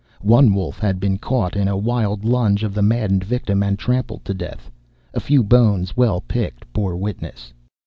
One wolf had been caught in a wild lunge of the maddened victim and trampled to death. A few bones, well picked, bore witness.